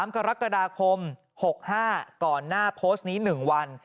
๓กรกฎาคม๖๕ก่อนหน้าโพสต์นี้๑วัน